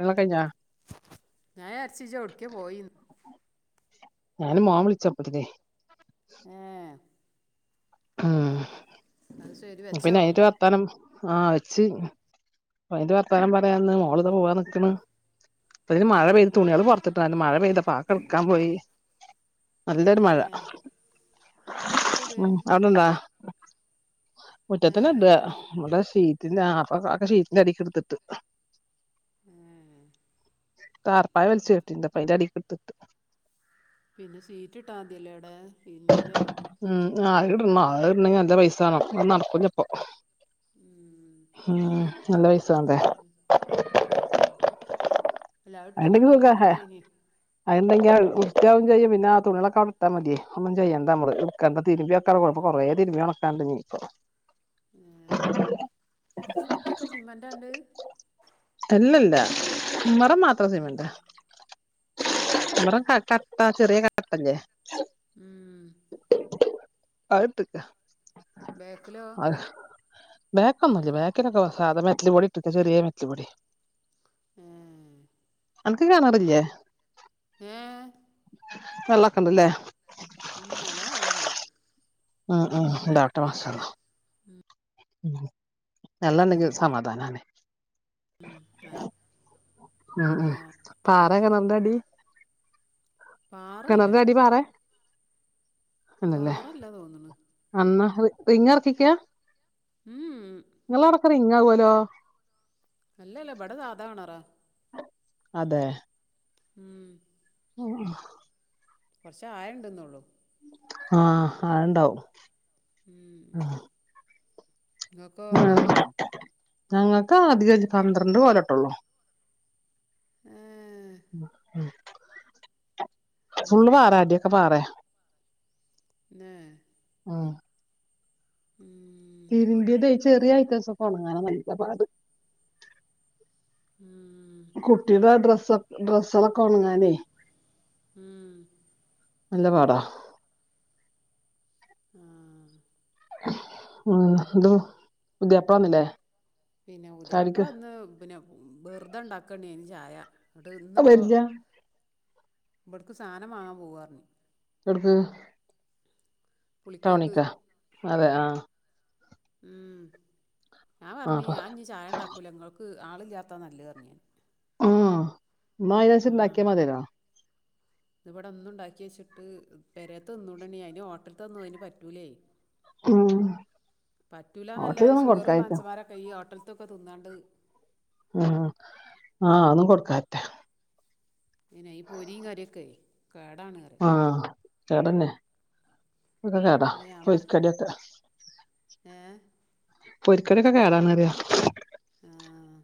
എല്ല കഴിഞ്ഞ ഞൻ വിജയരിച്ചു ഇജോടക്ക പോയിന്ന് ഞാന് മോൻ വിളിച്ച് അപോത്തിന്ന് ഹോ ആ അത് ശരി പിന്നെ വെച്ചോ അയിന്റെ വർത്താനം ആ. വെച്ച് അയിന്റെ വർ വർത്താനം പറയാന്ന് ഉം. മോളിതാ പോവാാൻ നിക്ക്ണ് അപ്പ ഇതിന് മഴ പെയ്ത് തുണികള് ഏ പുറത്തിട്ടുണ്ടരുന്നു മഴ പെയ്ത് പ ആ ഒകെ എടുകക്കാൻ പോയി നല്ലൊരു മഴ ഏ മുറ്റത്തിട് ഉ അവിടെണ്ടാ ഏ മുറ്റതെന്നെ ഇടാ ഇപ്പടാ ഇവിടെ ശീറ്റിന് ആ ഒക്കെ ഷീ റ്റിന്റെ അടിക്ക് എടുത്തിട്ട് ഉം താർപ്പായ വലിച്ചു കെട്ടിണ്ട് അപ്പയിന്റെ അടിക്ക് ഇടുത്തിട്ട് പിന്നെ സീറ്റ് ഇട്ടാ മതിയല്ലേ എവിടെ ഇരുബിന്റെ ആ അ ഇടണം. അയ്ഇടണങ്കിൽ നല്ല പൈസ വേണം അ നടക്കൂലപ്പോ ഉം. ഉം നല്ല പൈസ വോണ്ടേ എല്ലാ അയ് ഇട്ട് കാണ്ടാ നല്ല വൃത്തിയന് അത്ണ്ടെങ്കിൽ വൃതയാവുകയും ചെയ്യും പിന്നെ ആ തുണിയാളെക്കെ അവിടെ ഇട്ടാ മതി ഒന്നും ചെയ്യാണ്ടാ ഞമ്മള് കണ്ട തിരുമ്പ ആ വക്കാ കുറേ തിരുമ്പി ഒണക്കാണ്ട് നീ ഇപ്പൊ ഉം മിറ്റൊക്കെ സിമന്റാണ്ട് ഉമ്മരം മാത്രം സിമന്റാ ഏ ഇവിടെ കട്ടാ ട്ടാ ചെറിയ കാട്ടല്ലേ ഉം അയ് ഇട്ടാക്കാ ബാക്ക്ലോ ബേക്കൊന്നല്ലേ ബക്കൊക്കെ സാദാ മെറ്റ്ല് പൊടി ഇട്ടക്ക ചെറിയ മെറ്റൽ പൊടി ഉം അനക്ക് കിണാറില്ലേ ഏ വെള്ളക്കണ്ട് ല്ലേ ഉം നല്ലോ വെള്ളം ഉണ്ട് ഉം ഉം ഉണ്ടാകട്ടെ മാഷാ അള്ളാ വെള്ളം ഉണ്ടങ്കിൽ സമാധാനമാണ് നല്ല- ഉം ആ, നല്ല- പാറെ കിണറിന്റെ അടി പാറല്ല കിണറിന്റെ അടി പാറേ പാറല്ല തോന്ണ് അന്ന റിങ്ങ് ഇറക്കിക്കാ ഉം ഉ നിങ്ങളവിടക്ക റിങ്ങാ കോലോ. അല്ല അല്ല ബ്ടെ സാധാകിണറാ. അതെ. ഉം ഓ [unintelligible] കുറച്ച ആയണ്ട്ന്ന് ഒള്ളു ആഹ് അഹ്ണ്ടാവും. [unintelligible] ങ്ങക്കോ? ഞങ്ങക്ക് അധികല്യ പന്ത്രണ്ട് കോലെട്ടൊള്ളൂ [inaudible] ഏ അത് ഫുള്ള് ശരി പാറെ അടി ഒക്കെ പാറേ. [inaudible] മ്. [inaudible] തിരിമ്പെതെ ചെറ്യേ ഐറ്റംസൊ ക്കെ ഒണങ്ങാനാ വല്യ പാട്. [inaudible] കുട്ടിടെ ഡ്രസ് ഡ്രെസ്സ്കളൊക്കെ ൺങ്ങാനേ. ഉം നല്ല പാടാ. ആ ഉം ത് പുതിയാപ്ല വന്നിലേ? പിന്നെ പുത്യാപ്പളന്ന് പിന്നെ വെറുതെണ്ടാക്കാണീ അയ്ന് ചായ. ഇന്നട്ട് ഇന്നിപ്പോ വരില്ല ഇപ്ട്ക്ക് സാനംമാങ്ങാൻ പോവാർഞ്ഞ്. ഒട്ക്ക്? പുളികക്ക്. അതെ ആഹ് ഉം ഞാൻ ആഹ് പറഞ്ഞി അപ്പൊ ഞാൻ ഇഞ്ഞി ചായണ്ടാക്കൂല ങ്ങൾക്ക് ആളില്ലാത്ത നല്ലെർഞ്ഞി. ന്നാ ഐനൻസര്ച്ച് ഇണ്ടാക്യായാ മത്യാലോ. ഇവടെന്നും ണ്ടാക്കി വെച്ചിട്ട് പെരെത്തെന്നൂലണ്ണി ഐന് ഹോട്ടൽ ത്തൊന്നും ഐന് പറ്റൂ ലെ. ഉം പറ്റൂലന്നല്ല ഈ ഹോട്ടലിലൊന്നും സുഗറ്ള്ള കൊടുക്കായിരിക്കും മന്സമ്മാരൊക്കെ ഈ ഹോട്ട [unintelligible] തിന്നാണ്ട് ആഹ് ആ ആന്നും കൊട്ക്കാത്തെ പിന്നെ ഈ പൊരിം കരിംക്കെ കേടാണ് പറ്യ. ആഹ് കേടന്നെ ഒക്കെ കേടാ അപ്പം ഞാൻ പറ പൊര് കട്യാക്കെ. ഏ പൊരിക്കട്യാക്കെ കേടാണറ്യാ. ആഹ്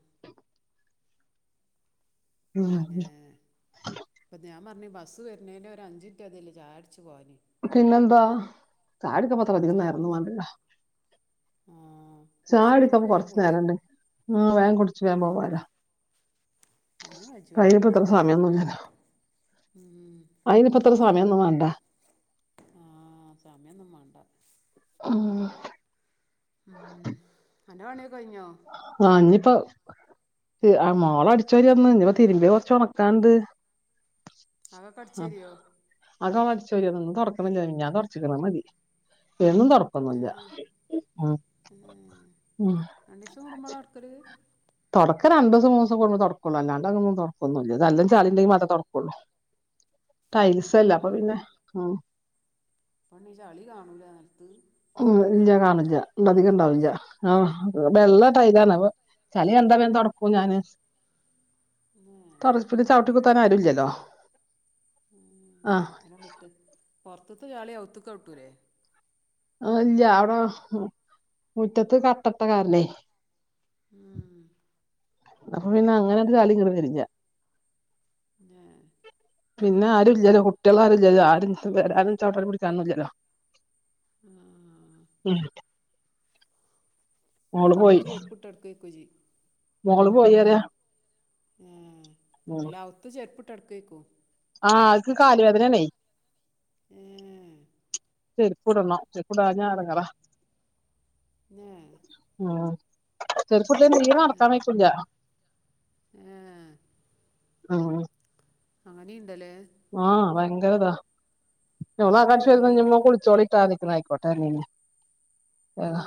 [unintelligible] ഞാപർഞ്ഞ് ബസ്സ് വര്ന്നേന്റെ ഒര ഞ്ചിൻറ്റ്തില്ലൊ ചായട്ച്ച് പോവാന്ന്. പിന്നെന്താ ചായടിക്കുപ്പം അധികം വേറെന്താ നേരൊന്നുംമാണ്ടല്ലോ. ആ കുടിച്ചിനവർക്ക് ചായടിക്കാപ്പോ വേഗം കൊർച്ച് കുടിച്ച് നേരണ്ട് ഉം വേമ് കുട് ച്ച് വേം പോവാലോ. അയ്ന് കച്ചൂല അയിനിപ്പ ഇത്ര അയിനൊന്നാവാൻ സമയൊന്നുല്ലല്ലോ ഉം അയിനിപ്പ ഇത്ര സമയൊന്നും വാണ്ട ആ സമയൊന്നും മാണ്ട ആഹ് ഉം അൻ്റെ പണ്യാക്കെ കഴിഞ്ഞോ? ആ ഇഞ്ഞിപ്പോ മോള അടിച്ച വരിന്ന് ഇഞിപ്പ തിരുമ്പ കുറച്ച് ഉണക്കാണ്ട് അകൊക്കെ അടിച്ചോരിയോ? അകൊക്കെ അടിചോരിയതാ ഇന്ന് തൊടക്കണില്ല മിഞ്ഞാന്ന് തൊടച്ചതാ അത് മതി എന്നും ഏ തൊടക്കൊന്നുല്ലാ മ്മ് ഏ മ്മ് രണ്ടീസം [unintelligible] തൊടക്ക രണ്ടൂസം മൂന്നൂസം കൂടുമ്പോ തൊടക്കുള്ളു അല്ലാണ്ട് അങ്ങനെന്നും തൊടക്കൊന്നുല്ല ഇത് ന്നല്ലോം ചളിണ്ടെങ്കി മാത്രം തൊട കൊള്ളൂ. ഏ ടൈൽസ്സല്ലേ അപ്പൊ പിന്നെ മ്മ് പെണ്ണീ ചളി കാണൂലാ നെൽത്ത്? മ്മ് ഇല്ല കാണുല്ല അധികം ഇണ്ടാവുല്ല ആഹ് വെള്ള ടൈൽ ആണ് അപ്പൊ ചളി കണ്ടാ പിന്നെ തൊടക്കും ഞാന് ഏ തൊടപ്പില് ചവിട്ടിപൂത്താന് ആരുല്ലല്ലോ മ്മ് ആഹ് മ്മ് മുറ്റത്ത പോറത്ത്ത്തെ ചളി അവുത്ത്ക്കവ്ട്ടൂലെ ആ ഇല്ല്യ അവട മുറ്റത്ത് കട്ടട്ട കാരണെ മ്മ് മ്മ് അപ്പൊ പിന്നെ അങ്ങനാണ്ട് ചളി കേറി വരുല്ല ഏ പിന്നെ ആരുല്ലല്ലോ കുട്ട്യാളാരുല്ലലോ ആരും വര ആരും ചവിട്ടാനും പിടിക്കാനൊന്നില്ലല്ലോ. ആ മ്മ് ഔത്ത് ചെര്പ്പിട്ട് നടക്കേര്ക്കുജ്ജി മോൾ പോയിറയ മ്മ് മ്മ് അല്ല ഔത്ത് ചെര്പ്പ്ട്ടടക്കേര്ക്കോ ആഹ് ഇക്ക് കാല് വേദനേണെ എഏ ചെര്പ്പിടണം ചെര്പ്പിടാഞ്ഞ ഇടങ്ങറ ഏ [inaudible] ചെരിപ്പിട്ടില്ലേ തീരെ നടക്കാൻ വെയ്ക്കുല്ല്യ. ഏ ആ ആണി ആ വയങ്കരതാ എന്ന ഏ ശരിന്നാ ഇനി ഇങ്ങൾ കുളിച്ചോളിട്ടാ ന്നെ ആയിക്കോട്ടെറഞ്ഞേന്ന് ഏ ആഹ്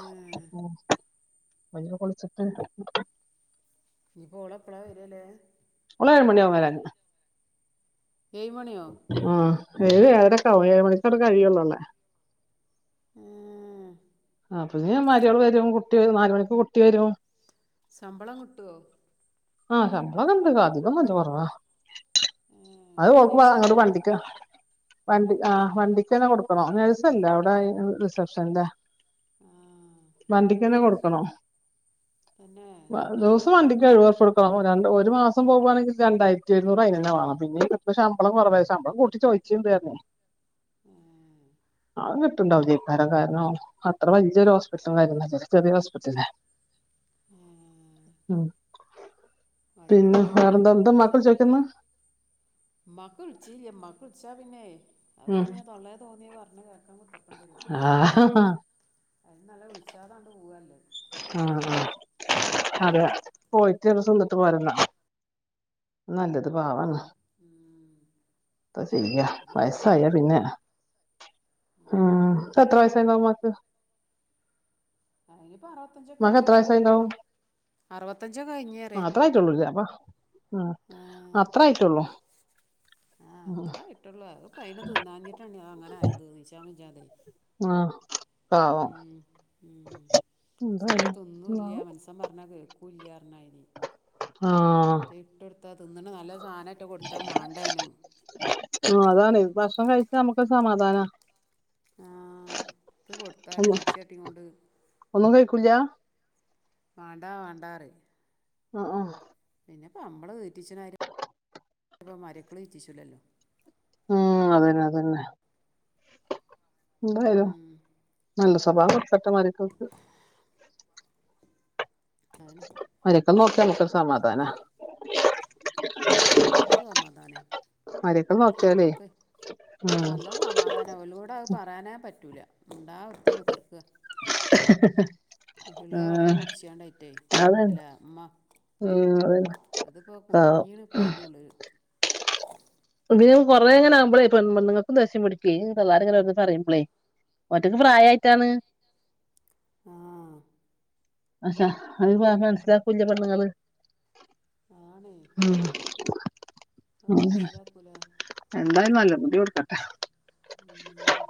മ്മ് ഇഞ്ഞിപ്പൊ കുളിച്ചിട്ട്. ഇനിപ്പോ ഓളെപ്പഴാ വരല്ലേ. ഓളേഴ്മണിയാവും വരാന് ഏഴ് മണിയോ ഏഴ് ഏഴരൊക്കെ ആവും ഏഴ് മണിക്കാ അവടെ കഴിയൊള്ള ഓളെ ഏ ഏ അപ്പൊത്തിന് മാരോള് വരും കുട്ടി വര് നാല്മണിക്ക് കുട്ടി വരും ശമ്പളം കിട്ടോ ആഹ് ശമ്പളം ഒക്കെണ്ട് അധികൊന്നുല്ല കൊറവാ ഏ, അത് ഓൾക്ക് വ നൈസാ അങ്ങണ്ട് അവള് വണ്ടിക്ക വണ്ടി ആ വണ്ടിക്കെന്നെ കൊടുക്കണം നഴ്സല്ല അവടെ റിസപ്ഷനില ആ വണ്ടിക്കെന്നെ ഹോസ് കൊടുക്കണം തന്നെ മ്മ്ഹ് ദിവസം വണ്ടി എഴുവുറുപ്യോട്ക്കണം രണ്ട് ഒരു മാസം പോവാണെങ്കി രണ്ടായിരത്തിഒരുന്നൂറ് അയിനെന്നെ വേണം പിന്നെ ഈ കിട്ട്ണ ശമ്പളം കുറവ ശമ് മ്പളം കൂട്ടി ചോദിച്ചിണ്ട് പറഞ് [inaudible] അത് കിട്ട്ണ്ടാവുല്ലേയ്ക്കാരം കാരണം അത് അത്ര വല്ല്യൊരു ഹോസ്പിറ്റലോന്നല്ലാലോ അത് ചെറിയ ഹോസ്പിറ്റലല്ലേ ഏ, മ്മ് വലിയൊരു പിന്നെ വേറെന്താ എന്താ ഉമക്കൾ ചോയ്ക്കണ ഉമ്മാക്ക്‌ വിളിചീല്യ ഉമ്മാക് വിളിച്ച പിന്നെയ് അത് ഇങ്ങനെ തൊള്ളേ തോന്നിയ പറഞ് പറഞ് ആഹഹ നല്ലത് വിളിചാതെ അങ്ങാണ്ട് പോവാ നല്ലത് ആ അതെ പോയിട്ട് ഒര് സന്നിട്ട് പോരന്നാ നല്ലത് പാവാണ് ഉം, പ്പ ചെയ്യാ അല്ലേ പറഞ്ഞത് വയസായ പിന്നെ ആ ഉം. പത്ര യായസ്സായിണ്ടാവും ഉമ്മാക്ക് അ ഇനിയിപ്പ അറുപത്തഞ്ചൊക്കെ വൈ ഉമ്മാക്ക് എത്ര വയസ്സായിണ്ടാവും അത്ര ആട്ടള്ളൂപ്പ ഉം ആ അത്ര ആട്ടള്ളൂ ആഹ് അത്ര ക ഇട്ടുള്ളൂ അത് പ അെ തിന്നാഞ്ഞിട്ടാണ് അ അങ്ങനൊയത് നിശാമചാതെ ആഹ ആോ മ്മ് സെക് തിന്നുല്ല്യ ഉണ്ടാവും മൻസൻ പറഞ്ഞാ കേക്കൂല്യാ [unintelligible] ആ... ആ ഇട്ടൊടുത്താ തിന്നണ നല്ല സാനേറ്റ കൊടുത്ത മണ്ടേനും പ്പ നമുക്ക് സമാധാനാ ആ ത് കൊടുത്താല് ഉച്ച കാട്ടി കൊണ്ട് കുല്ലാ മാണ്ട മാണ്ട റിം അ ആഹാ പമ്മള് മ്മള് തീറ്റിച്ചിന്നാരി [unintelligible] മരക്കലീറ്റിച്ചോ ഉം അതന്നെ അതന്നെ എന്തായാലും ഉം നല്ലസു സൊബാവം കൊടുകെട്ടെ മരെക്കൾക് അതന്നെ മരെക്കൾ നോക്യാ നമുക്കൊരു സമാധാനാ ആ അത് സമാധാനാ മരക്കൾ നോക്കിയാലേ നമ്മുക്ക് ഉം നല്ല സമാധാനാ ഓലോഡ് അത് പറയാനേ പറ്റൂല ഉണ്ടാ ഒരുത്തി കുത്തർക്കാ [unintelligible] ഇള്ള വെള്ളം ആഹ് കുടിച്ചാണ്ട് അതാണ് ഉം അതന്നെ അതിപ്പോ പാവം കുടുങ്ങീണപ്പയിന്തോള്ളിൽ കൊറെങ്ങനെ ആകുമ്പളേ പെണ്ണുങ്ങൾകും ദേഷ്യം പിടികയേം തള്ളാരിങ്ങനെ ഓരോനിങ്ങനെ പറിമ്പ ളേ ഒറ്റക്ക് പ്രയായിട്ടാണ് ആ അഷാ അത് പാർപാർത്തിക്കുംല്ലേ പണ്ണുങ്ങള് ആണേ ആം [inaudible] എന്തായാലും നല്ല ബുദ്ധി കൊടുക്കട്ടെ ഉം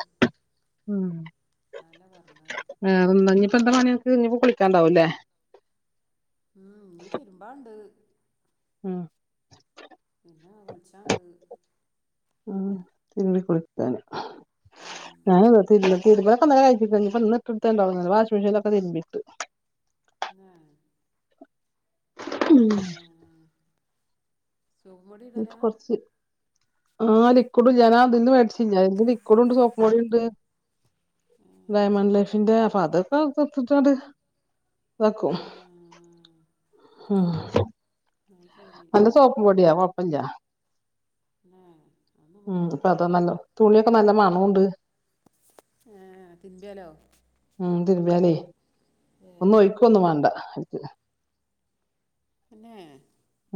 അതല്ലേ പറഞ്ഞത് ആ [unintelligible] പന്താ പണിനക് കുളിക്കാണ്ടാവുംല്ലേ ആ ഞ് തിർമ്പാണ്ട് ആ ഹ് [unintelligible] വുള്ചാണ്ട് ആ തിരിമ്പികുളിക്കാന് ഉം ഞാനതാ തിരി മ്പ് തീരുമ്പോലൊക്കെ ഇന്നലൊക്കെ കഴിച്ചികണ് ഇന്ന് ഇട്ടുട്ട്ടത് ഉണ്ടാവൊള്ളൂ വാശിമെഷീന്റോതെക്കെ തിരിമ്പിട്ടു ഉ ഉം സോപ്പുംപൊടി ഇടലാ കൊറച്ച് ആഹ് ലീക്ക്ട് ഞാനാദീന് മേടിചീലെ എയ്ന്റെ ലിക്ക്ഡ്ണ്ട് സോപ്പുംപൊടിണ്ട് ഏഹ് ഡയമന് ലൈഫിന്റെ അതിപ്പോ [unintelligible] വാക്കും ആഹ് ആഹ് അത് ശരി നല്ല സോപ്പുപ്പൊട്യ കൊഴപ്പല്യാ ന്നെ അതൊന്നും ഉ പറയാൻ പറ്റൂല പതാണല്ലോ തുണിയൊക്കെ നല്ല മനോണ്ട് ഹേം ഉ തിരുമ്മിയാലേ ഒന്നും ഏഹ് ഒയ്ക്ക ഒന്നും വേണ്ട എനിക്ക് പിന്നെ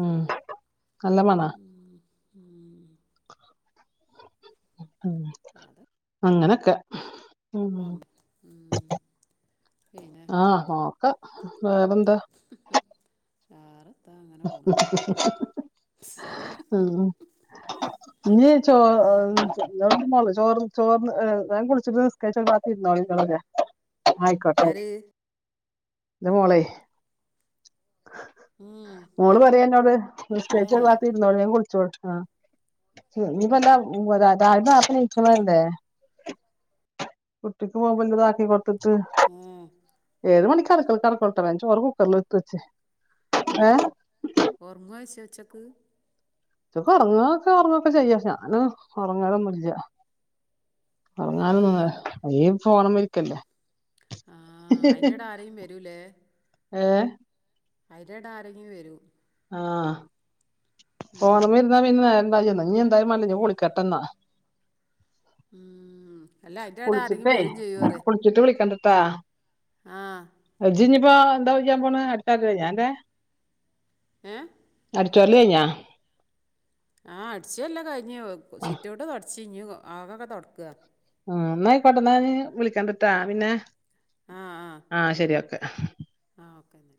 ഉം നല്ല മണാ [inaudible] ഹ് അങ്ങനൊക്കെ ഉം അപ്പം ഉ മ് പിന്നെ [unintelligible] വേറെന്താ? ചാറ് [unintelligible] ഉ നച്ചോ വേറെ [unintelligible] ള ചോർ ചോർ ഏ വേകുളിച്ചിട്നിസ്കാരിച് [unintelligible] ഇങ്ങളെന്നേ. ആയിക്കോട്ടെ ആര് എൻ്റെ മോളെ ഉം മോള് പറയാ എന്നോട് ഏ നിസ്കേചൊരുബാത്ര്നോളി [unintelligible] ഇനിപ്പ എന്താ [unintelligible] കുട്ടിക്ക് മൊബൈല്ത്ക്കി കൊ ത്ത ഏ ഏത് മണിക്ക്റക്കൽ കറക്കൽട്ട വേചോറ് കുക്കറൽ വിത്തച്. ഏ? ഓർമ്മവെച്ച ഉച്ചക്ക്? ചൊക്കെ ഒർങ്ങൊക്കെ ഒർങ്ങൊക്കെ ചെയ്യാ ശേ ഞാന് ഉറങ്ങാലൊന്നുല്ല. ഏ ഉറങ്ങാനന്നന്ന ഈ [unintelligible] ആ അയിന്റെട ആരേും വരൂലേ? ഏ? അയിരട ആരെങ്കി വരും. ആഹ ഉം പോണമെര്ന്ന പിന്നെ ന്നേര ന്നാ നീ എന്തായമല്ല ഞാൻ കുളിക്കെട്ടെന്നാ ഉം അല്ല അയിന്റെടെ ആരെങ്കിലും കുളിച്ചിട്ടേ വരും കുളിച്ചിട്ട് വിളിക്കണ്ട്ട്ടാ. ആഹ പ്പോ ന്തായ്യാൻ പോണ് [unintelligible] ഏ? ജോലികഴിഞ്ഞ? ആഹ് അടിചൊല്ല കഴിഞ്ഞ് ആ സിറ്റോട്ട് തുടച്ച് ഞ് ആകൊക്കെ തൊട്ക്ക. ഉ ന്നായിക്കോട്ടെ ന്ന ഞ് വിളിക്കാണ്ട് ട്ടാ പിന്നെ ആ ആഹ ശരി ഓക്കെ. ആഹ ഓക്കെേന്ന.